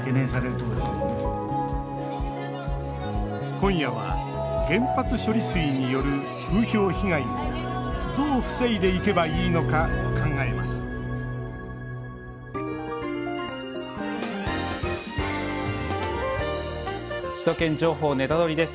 今夜は原発処理水による風評被害をどう防いでいけばいいのか考えます「首都圏情報ネタドリ！」です。